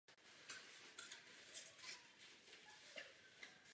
Slova jsou rozděleny do pěti slok.